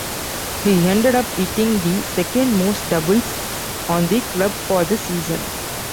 He ended up hitting the second-most doubles on the club for the season.